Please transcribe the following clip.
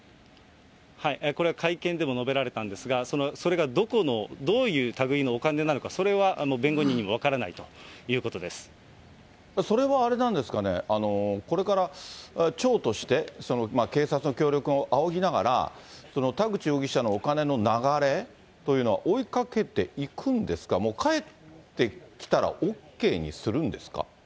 これは会見でも述べられたんですが、それがどこのどういうたぐいのお金なのか、それは弁護人にも分かそれはあれなんですかね、これから町として、警察の協力をあおぎながら、その田口容疑者のお金の流れというのを追いかけていくんですか、返ってきたらＯＫにするんですか。